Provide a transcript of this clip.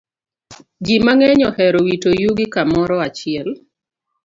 Ji mang'eny ohero wito yugi kamoro achiel.